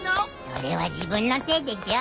それは自分のせいでしょ？